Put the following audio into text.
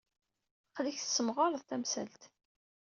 Aql-ik la tessemɣared tamsalt.